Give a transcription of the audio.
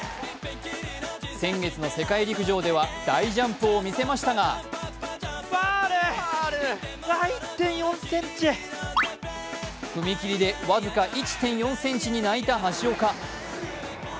先月の世界陸上では大ジャンプを見せましたが踏み切りで僅か１．４ｃｍに泣いた橋岡。